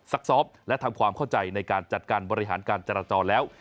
ซักซ้อมและทำความเข้าใจในการจัดการบริหารการจราจรแล้ว